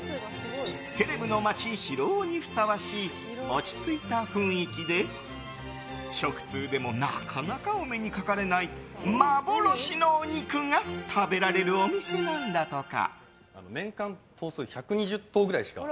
セレブの街・広尾にふさわしい落ち着いた雰囲気で食通でもなかなかお目にかかれない幻のお肉が食べられるお店なんだとか。